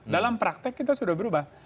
dalam praktek kita sudah berubah